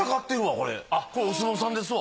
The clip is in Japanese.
これお相撲さんですわ。